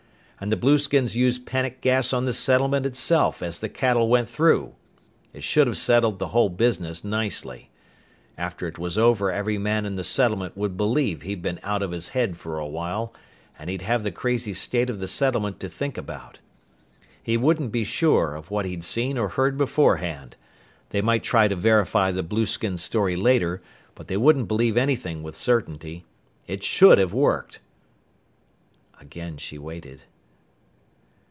"And the blueskins used panic gas on the settlement itself as the cattle went through. It should have settled the whole business nicely. After it was over every man in the settlement would believe he'd been out of his head for a while, and he'd have the crazy state of the settlement to think about. "He wouldn't be sure of what he'd seen or heard before hand. They might try to verify the blueskin story later, but they wouldn't believe anything with certainty. It should have worked!" Again she waited.